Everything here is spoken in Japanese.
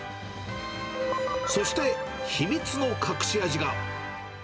そして秘密の隠し味が。